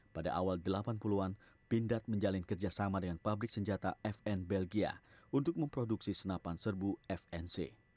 pada awal delapan puluh an pindad menjalin kerjasama dengan pabrik senjata fn belgia untuk memproduksi senapan serbu fnc